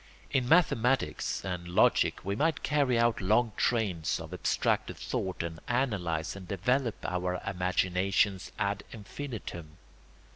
In mathematics and logic we might carry out long trains of abstracted thought and analyse and develop our imaginations ad infinitum.